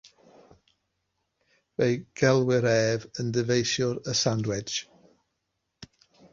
Fe'i gelwir ef yn ddyfeisiwr y “sand-wedge.”